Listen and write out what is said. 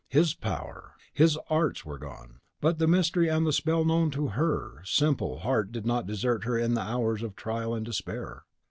HIS power, HIS arts were gone; but the mystery and the spell known to HER simple heart did not desert her in the hours of trial and despair.